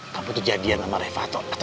kamu dijadian sama reva atau gimana lah